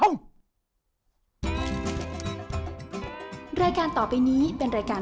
โหลดแล้วคุณราคาโหลดแล้วยัง